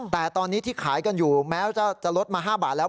แต่ตอนนี้ที่ขายกันอยู่แม้จะลดมา๕บาทแล้ว